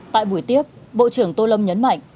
tại buổi tiếp bộ trưởng tô lâm nhấn mạnh